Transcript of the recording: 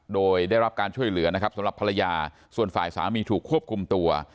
โดยได้รับการช่วยเหลือนะครับสำหรับภรรยาส่วนฝ่ายสามีถูกควบคุมตัว